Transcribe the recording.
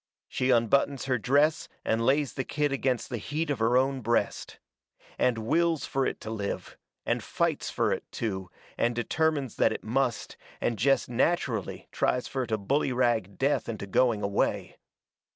She unbuttons her dress and lays the kid against the heat of her own breast. And wills fur it to live, and fights fur it to, and determines that it must, and jest natcherally tries fur to bullyrag death into going away.